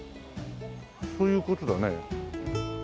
そういう事だね。